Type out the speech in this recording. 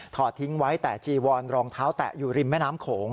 ทิ้งไว้แต่จีวอนรองเท้าแตะอยู่ริมแม่น้ำโขง